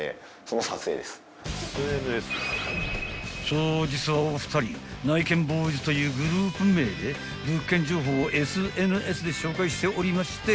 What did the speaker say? ［そう実はお二人ないけんぼーいずというグループ名で物件情報をＳＮＳで紹介しておりまして］